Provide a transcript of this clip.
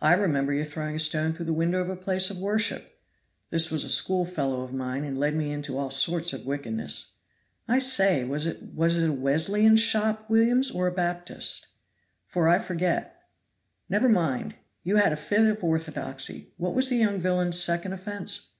I remember your throwing a stone through the window of a place of worship (this was a school fellow of mine, and led me into all sorts of wickedness). I say, was it a Wesleyan shop, Williams, or a Baptist? for I forget. Never mind, you had a fit of orthodoxy. What was the young villain's second offense?"